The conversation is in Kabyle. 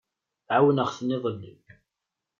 Ɛawneɣ-ten iḍelli.